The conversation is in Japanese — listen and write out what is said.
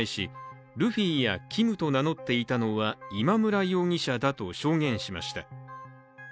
ＪＮＮの取材に対し、ルフィやＫｉｍと名乗っていたのは今村容疑者だと証言しました。